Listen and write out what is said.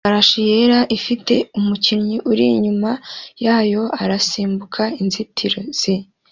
Ifarashi yera ifite umukinnyi uri inyuma yayo irasimbuka inzitizi